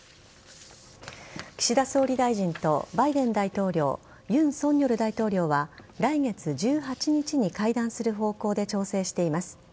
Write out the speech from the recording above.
岸田総理大臣とバイデン大統領尹錫悦大統領は来月１８日に会談する方向で調整しています。